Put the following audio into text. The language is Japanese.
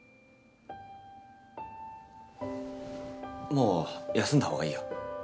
もう休んだ方がいいよ。